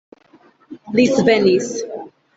Li svenis.